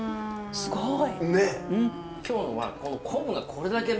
すごい。